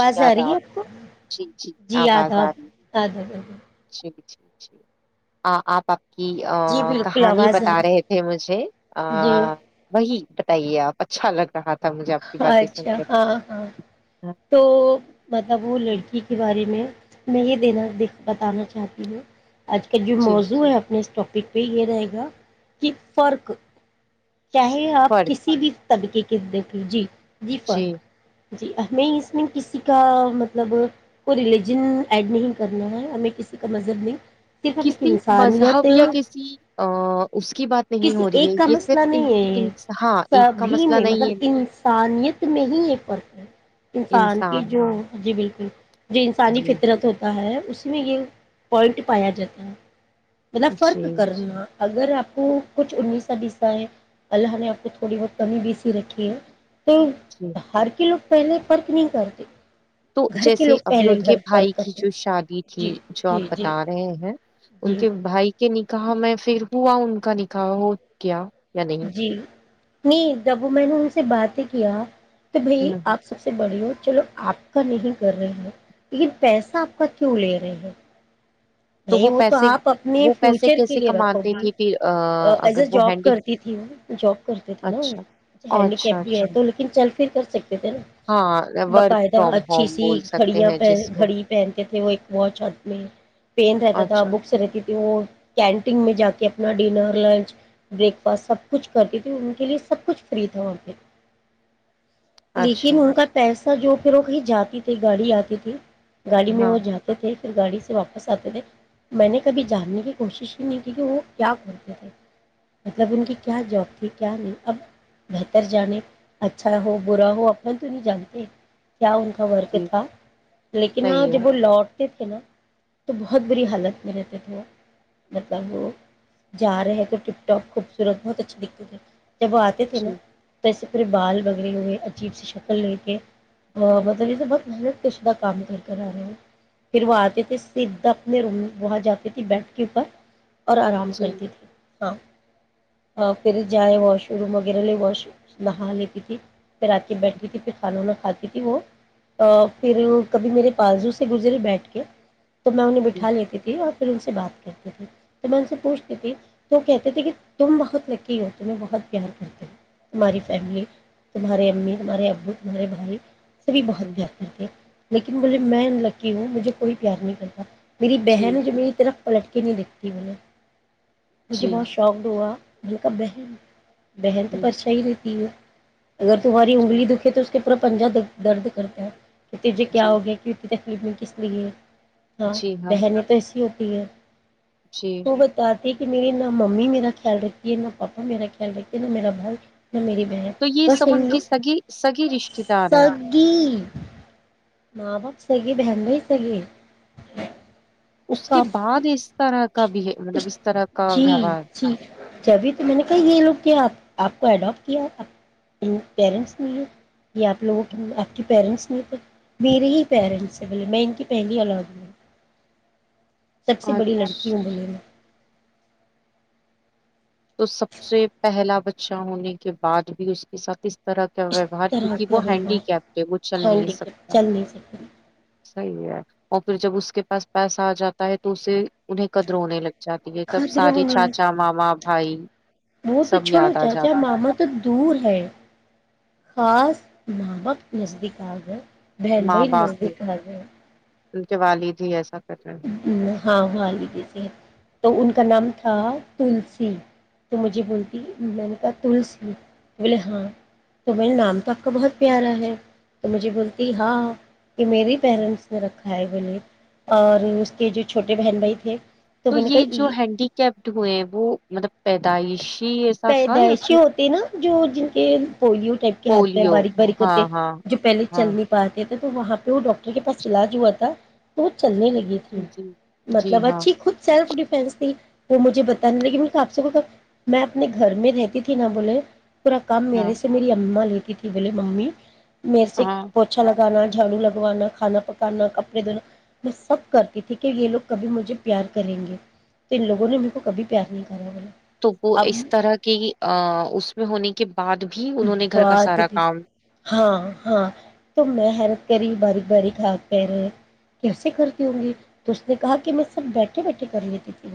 جی آ یاد رہی ہے آپ کو جی جی آواز آداب رہی آداب [unintelligible] جی آ آ پپ [unintelligible] کی جی بالکل کہانی آواز آ بتا رہی رہے تھے مجھے جی وہی بتائیے آپ اچھا لگ رہا تھا مجھے آپ کی باتیں سن اچھا کر ہاں ہاں ہاں، تو متاب وہ ہوں، لڑکی کے بارے میں میں یہ دینا د بتانا چاہتی ہوں [unintelligible] آج کل جو جی موضوع ہے اپنے ٹاپک پہ یہ رہے گا کہ فرق چاہے آپ فرق کسی بھی تبھی کی کس دیکھ لی جی فق [unintelligible] جی ہمیں اس میں کسی کا مطلب کو ریلیجن ایڈ نہیں کرنا ہے ہمیں کسی کا مذہب نہیں صرف ہم ایک کسی مذہب انسانیت یا کسی اس کی بات نہیں ہو رہی ہے یہ اتنا صرف نہیں ان- ہے ایک یہ انس- ہاں ایک کا سبھی مسئلہ میں نہیں مطلب ہے انسانیت میں ہی یہ فرق ہے انسان کی جو جی بالکل ہ [unintelligible] جو انسانی جی فطرت ہوتا ہے اسی میں یہ پوائنٹ پایا جاتا ہے پہا جی فرق کرجناا [unintelligible] اگر آپ کو کچھ انیس س بیس اللہ نے آپ کو تھوڑی بہت کمی بھی سی رکھی ہے تو جی ہر کے لوگ پہلے پرک نہیں کرتی تو جیسے ابھی ان کے بھائی کی کرتے جو شادی جی تھی جو جی آپ جی بتا رہے ہیں ان جی کے بھائی کے نہیں کہاں میں پھر ہوا ان کا لکھا ہو کیا د جی نہیں دب وہ میں نے ان سے بات ہی کیا تو بھائی نہیں آپ سب سے بڑی ہو چلو آپ کا نہیں کر رہے ہیں لیکن پیسہ آپ کا کیوں لے رہے ہیں نہیں وہ تو آپ اپنے وہ پیسے فیوچر کے کیسے لیے رکھو کماتے گے تھے پھر آ، ایز اگر اے وہ جاب ہینڈی کرتی تھی وہ جاب کرتی تھی نا اچھا ہینڈی اچھا کیپ بھی ہے اچھا تو لیکن چل کر سکتے تھا ہاں ورک باقاعدہ فرام اچھی ہوم سی بول سکتے گھڑیاں ہیں پ جس کو گھڑی پہنتے تھے وہ ایک وہ چت میں رہتا تھا اچھا بکس رہتی وہ کینٹین میں جا کے اپنا ڈنر لنچ بریک فاسٹ سب کچھ کرتی تھی ان کے لیے سب کچھ فری تھا وہاں پہ اچھا لیکن ان کا پیسہ ر جو پھر وہ کہیں جاتی تھی گاڑی آتی تھی گاڑی میں ہاں وہ جاتے تھے گای سے واپس آ تھے میں نے کبھی جاننے کی کوشش ہی نہیں کی کہ وہ کیا کرتے تھے مطلب ان کی کیا جاب تھی کیا نہیں اب بہتر جانے اچھا ہو برا ہو اپنا تو نہیں جانتے کیا ان کا ورک جی تھا لیکن ہاں صحیح ہے جب وہ لوٹ کتک نا تو بہت بری حالت میں رہتے تھے وہ مطلب وہ جا رہے تو ٹپ ٹاپ خوبصورت بہت اچھے دکھتے تھےے جب وہ آتے تھے نا جی توسے پے بال بگڑے ہوئے اجیب سی شکل لے کے مطلب یہے بہت محنت کے شدا کام کر کر آے ہو پھر وہ آتے تھے سدا اپنے روم میں وہاں جاتی تھی بیڈ کے اوپر اور آرام جی کرتی تھی ہاں ہاں پھر جائے واش روم وغیرہ لے واش نہا لیتی تھی پھر آ کے بیٹھھی تھی پھر کھانا وانا کھاتی تھی وہ پھر کبھی میرے پازو سے گزرے بیٹھ کے تو میں انہیں جی بٹھا لیتی تھی اور پھر ان سے بات کرتے تے تو ان سے پوچھتی تھی تو وہ کہتے تھے کہ تم بہت لکی ہو تمہیں بہت پیار کرتے ہو تمہاری فیملی تمہاریے امی تمہارے ابو تمہارے بھائی سبھی ہ بہت پیار کرتے لیکن بھے میں لکی ہوں مجھے کوئی پیار نہیں کرتی ہ میری جی بہن ہے جو میری طرف لٹکی نہیں دکھتی میں نے مجھے جی بہت شوقڈ ہوا جو کاا بہن بحن تو ہ پرچا ہی رہتی ہے اگر تمہاری جی انگلی دکھے تو کترا پنجہ درد کرتا ہے کہ ت جے جی کیا ہو گیا کہک فیڈ میں کس طریے ہاں بہن تو ایسی ہی ہوتی ٹھیک ہے جی تو بتا کہ میری نہ ممی میرا خیال رکھیے نہ پاپا میرا خیال رھیتیے نہ میرا بال میری بہن تو یہ بس سب ان ہندو کی سگی سگی رشتے دار ہے سگی ماں باپ سگی بہن سگی اس کا کے بعد اس طرح کا بھی ہے مطلب اس طرح کا جی ویوہار جی جبھی تو میں نے کہی یہ لوگ کیا آپ آپ کو اڈاپٹ کیا آ ان پیرنٹس نہیں ہے یہیا آپ لوگوں کی آپ کے پیرنٹس نہیں تھے میرے ہی پیرنٹس ہیں بولے میں ان کی پہلی آلاگ سب سے بڑی لڑکی ہوں اچھا بولے میں تو سب سے پہلا بچہ ہونے کے بعد بھی اس کے ساتھ اس طرح اس ویوہار طرح کیونکہ وہ کا بول رہا ہینڈی کیپ ہے وہ چل نہیں ٹھنڈ کے سکتا چل نہیں سکتی صحیح ہے اور پھر جب اس کے پاس پیسہ آ جاتا ہے تو اسے انہیں قدر ہونے لگتا چاہتی ہے تب خطرے سارے ہونے چاچا ماما ہھائی وہ تو چھوڑو چاچا ماما تو دور ہے خاص نمق نزدیک آ گ بہن ہیں ماں بھائی باپ بھی نزدیک حضی ان کے والد ہی ایسا کر رہے ہیں ہ ہاں وہال جیسی ہے تو ان آ کا نام تھا تلسی تو مجھے بولتی میں نے کا تلسی بولے ہاں تو میں نے نام تو آپ کا بہت پیارا ہے تو مجھے بولتی ہاں یہ میرری پیرنٹس نے رکھا ہے بولے اور اس کے جو چھوٹے بہن بھائی تھے تو میں نے یہ جو کہا ہینڈیکپڈ ہوئے ہیں وہ مطلب دعشی ایسا تھا آپ پیدائشی کے ہوتے نا جو جن کے پولیو ٹائپ کے ہاتھ پیر باریک باریک ہاں ہوتے ہاں جو پہلے چل ہاں نہیں پاتے تو وہاں پہ وہ ڈاکٹر کے پاس علاج ہوا تھا تو چلنے لگی تھی جی جی جی مطلب ہاں اچھی خود سیلف ڈیف ف ت وہ مجھے بتانے لگی آپ سے کو میں اپنے گھر میں رہتی تھی نا بولے پورا کام ہاں میرے سے میری اما لی کتی بول مممی میرے سے ہاں بہت اچھا لگتا ہے گانا جھاڑو لگوانا کھانا پکانا کپڑے دھونا میں سب کرتی تھی کہ یہ لوگ کبھی مجھے پیار کریں گے تو ان لوگوں نے میر کو کبھی پیار نہیں کرا بولا تو وہ اب اس طرح کی ا اس میں ہونے کے بعد بھی انہوں نے گھر کا بعد سارا بھی کام ہاں بری کا پیر کیسے کرتی ہوں گی تو اس نے کہا کہ میں سب بیٹھے بیٹھے کر لیتی تھی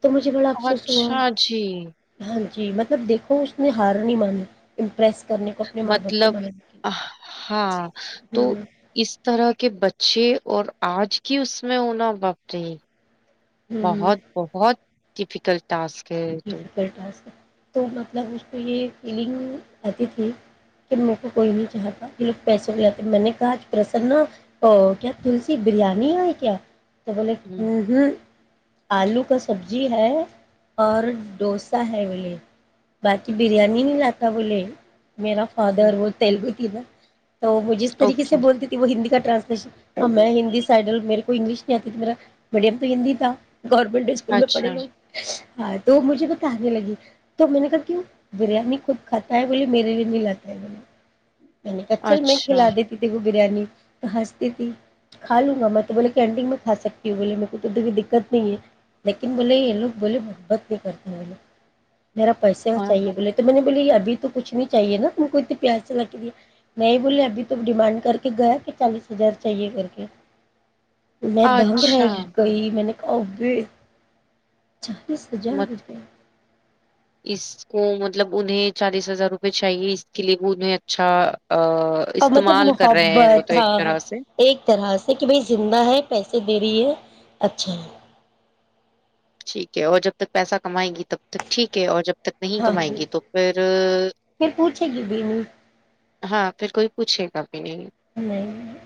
تو مجھے بڑا افسوس ہوا اچھا جی ہاں جی مطلب دیکھو اس نے ہار نہیں مانا امپریس کرنے کو اپنے ماں باپ سے مطلب بنانے کے ہاں تو لیے ہوں اس طرح کے بچ اچھ اور آج کی اس میں ہونا بپ رہی ہوں بہت بہت ڈفکلٹ ٹاسک ہے یہ ج تو فکلٹس تو مطلب اسج کو یہ فیلنگ آتی تھی کہ م کو کوئی نہیں چاہتا یہ لوگ پیسے کو لاتے میں نے کہاج پرسنا کیا تلسی بریانی ہےئے کیا سبول ہ ہوں آلو کا سبزی ہے اور ڈوسا ہے بولے باقی بریانی نہیں لاتا بولے میرا ہ فادر وہ تلگو ا تو وہ جس طریق سے اوکے بولتی تھی وہ ہندی کا ٹرانسلیشناں میں ہندی سائڈل میرے کو انگلش نہیں آتی تھی میرا میڈیم تو ہندی تھا گورنمنٹ اسکول میں اچھا پڑھلو ہاں تو مجھے پتا آنے لگی تو میں نے کہا کیوں بریانی خود کھاتا ہے بولیے میرے لیے نہیں لاتا ہے بولے میں نے کہ چل میں اچھا کھلا دیتی تھی وہ بریانی تو ہنستی تھی کھا لوں گا میں تو بولے کہ انینڈنگ میں کھا سکتی ہوں بولے م کو تو دقت نہیں ہے لیکن بولے یہ لوگ بولے بے بتی کرتے والے میرا پیسے کا اور چاہیے بولے تو میں نے بولیے ابھی تو کچھ نہیں چاہیے نا تم کو اتنے پیسے لکھ دیا نہیں بولے ابھی تو ڈیمانڈ کر کے گیا کہ چالیس ہزار چاہیے کر کے میں دہ گر اچھا گئی میں نے ا بھیچ یس ہزار مت روپئے اس کو مطلب انہیں چالیس ہزار روپئے چاہیے اس کے لیے بھی انہیں اچھا آ اور مطلب استعمال کر رہے ہیں وہ تو محبت ہ ایک طرح سے ایک طرح سے کہ بھائی زندہ ہے پیسے دے رہی ہے اچھا ٹھیک ہے اور جب تک پیسہ کمائے گی تب تک ٹھیک ہے اور جب تک نہیں کمائے ہاں گی تو پھر پھر پوچھے گی بھی نہیں ہاں پھر کوئی پوچھے گا نہیں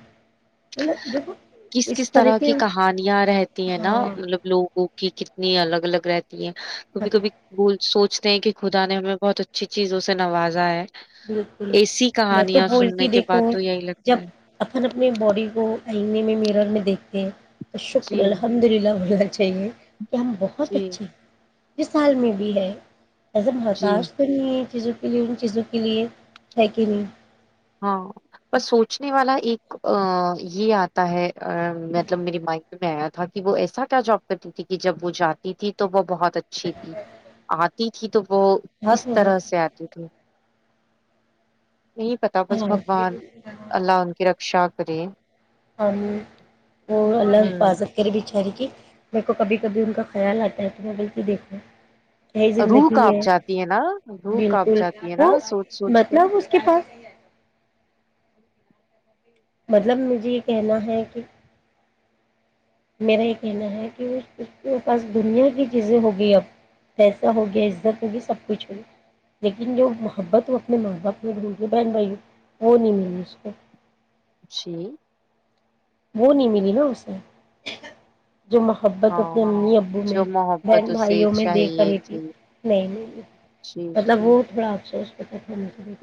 مطلب دیکھو کس اس کس طرح کے کی کہانیاں رہتی ہیں نا ہاں مطلب لوگوں کو کتنی الگ الگ رہتی کبھی بتا کبھی بول سوچتے ہیں کہ خدا نے ہمیں بہت اچھی چیزوں سے نوازا ہے بالکل ایسی میں تو کہانیاں سننے بولتی کے دیکھو بعد تو یہی جب لگتا ہے اپن اپنے باڈی کو آئینے میں میرر میں دیکھتے ہیں تو شکر جی الحمد للہ وک چاہیے کہ ہم بہت جی اچھے مثال میں بھی ہے ایس جی متا اس توری جیزو فلمم جیزو کے لیے تھیک ییو ہاں پر سوچنے والا ایک یہ آتا ہے ا مطلب میری مائ میں تھا کہ وہ ایسا کیا جاب کرتی تھی کہ جب وہ جاتی تھی تو وہ بہت ب اچھی تھی آ ت تھی تو وہ بہت اس ہو طرح رہا سے آتی تھی یہ پتا بس ہاں بگوان اللہ ان کی رکشا اکرین ہم وہ اللہ ہوں حفاظت کرے بیچاری کی میر کو کبھی کبھی ان کا خیال آتا ہے تو میں بلکہ دیکھوں یہی رو زندگی کپ جاتی ہے نا رو کپ بالکل جاتی ہے نا وہ سوچ سوچ کے مطلب اس پاس مطلب مجھے یہ کہنا ہے کہ میرا یہ کہنا ہے کہ وہ اس پاس دنیا کی چیزیں ہوگی اب اییسا ہوگیا عزت ہوگی سب کچھ ہوگی لیکن جو محبت وہ اپنے ماں باپ میں ڈھونول گے بہن بھائیوں وہ نہیں ملی اس کو جی وہ نہیں ملی نا اسے جو محبت ہاں اپنے امی ابو جو میں محبت بہن اسے بھائیوں میں دیکھ چاہیے رہی تھی نہیں نہیں جی مطلب جی وہ تھوڑا افسوس [unintelligible]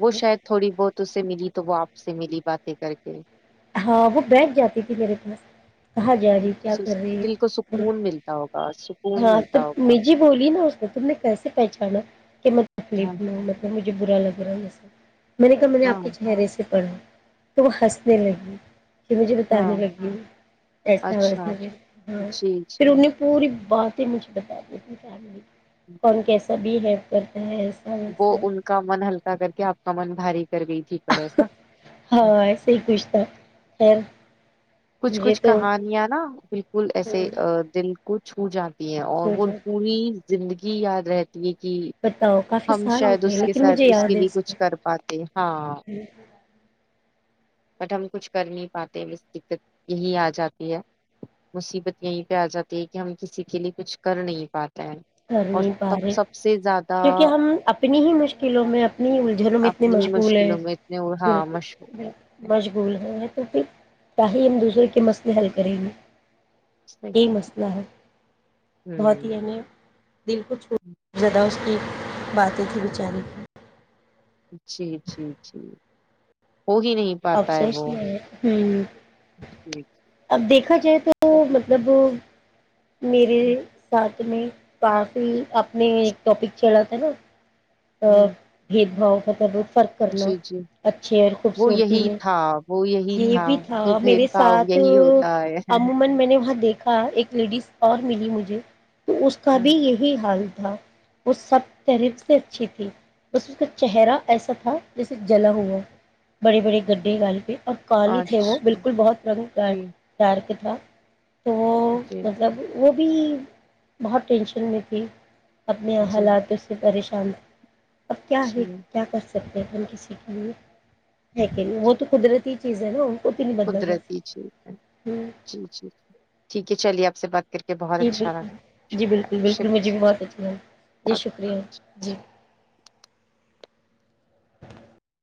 وہ کے شاید تھوڑی بہت اس سے ملی تو وہ آپ سے سے ملی باتیں کر کے ہاں وہ بیٹھ جاتی تھی میرے پاس کہاں جا رہی ہوں، کیا کر سس- رہی دل کو ہے سکون ملتا ہوگا سکون ہاں تو ملتا م ہوگا جی بولی نا اس کو تم نے کیسے پہچانا کہ میں ہاں تکلیف میں مطلب مجھے بر لگے رہا ہے اسب میں نے کہ میں نے ہاں آپ چہرے سے پڑھا تو ہنسنے لگی [unintelligible] مجھے بتانے ہاں لگی ایسا اچھا ویسا بھی ہاں جی پھر جی انہ نے پوری بات ہی مجھ بتا دیتی س کون کیس سبھی ہیو کر وہ ان کا من ہلکا کر کے آپ کا من بھاری کر گئی تھی پر ایسا ہاں ایسے ہی کچھ تھا خیر کچھ مجھے کچھ تو کہانیاں نا بالکل ایسے ہو دل کچھ جاتا اور وہول جاتا پوری زندگی یاد رہتی کہ بتاؤ کافی ہم سال ہو شاید گئے اس کے لیکن ساتھ مجھے اس کے یاد ہے لیے کو کچھ کر پاتے ہاں بٹ ہم کچھ کر نہیں پاتےست یہی آ جاتی ہے مصیبت یہیں پہ آ جاتی ہے کہ ہم کسی کے لیے کچھ کر نہیں پاتے ہیں کر اور نہیں پا تب رہے سب سے زیادہ کیونکہ ہم اپنی ہی مشکلوں میں اپنی الجھنوں میں اتنی اپنی مشغول ہیں مشکلوں میں اتنے ب ہاں مشہور ہے مشغول ہیں تو پھر کیااہی ہم دوسرے کے مسئلے حل کریں گے یہی مسئلہ ہے بہت ہی ہوں عہم دل کچھ زیادہ [unintelligible] ایک باتیں تیں بیچاری [unintelligible] جی جی جی ہو ہی نہیں پاتا ہے افسوس وہ ہ ہ جی اب دیکھا جائے تو مطلب میرے ساتھ کافی اپ نے ایک ٹاپک چڑھا تھا نا ا ہوں، بھید بھاؤ ختر ر [unintelligible] عرض کرنا جی جی اچھے اور وہ خوبصورتی یہی میں تھا وہ یہی یہ بھی تھا کہ بھید میرے بھاؤ ساتھ یہی ہوتا ہے عمومان میں نے وہاں دیکھ کہ ایک لیڈیز اور ملی مجھے تو اس کا ہوں، بھی یہی حال تھا وہ سب تریب سے اچھی تھی بس اس کا چہرہ ایسا تھا جسے جلا ہوا بڑے بڑے گڈھےگال پہ اور کالی تھے وہ اچھا بالکل بہت رنگ ڈ جی ڈارک ہاں [unintelligible] تو وہ جی مطلب وہ اھی بہت ٹینشن میں تھی اپنے جی حالاتوں سے پریش کام [unintelligible] اک کیا ہے جی کیا کس کسی کےے ہے کہ نہیں وہ جی تو قدرتی چیز ہے نا کو تو نہیں بدلا جا قدرتی سکتا چیز ہے جی جی ٹھیک ہے چلیے آپ سے بات کر کے بہت جی اچھا بالکل لگا جی شکریہ بالکل بالکل شکریہ مجھے بھی بہت اچھی ہے جی شکریہ جی